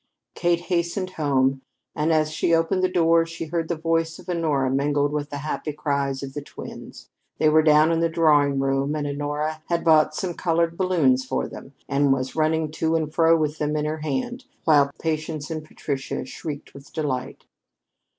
Kate hastened home, and as she opened the door she heard the voice of Honora mingled with the happy cries of the twins. They were down in the drawing room, and Honora had bought some colored balloons for them, and was running to and fro with them in her hand, while Patience and Patricia shrieked with delight.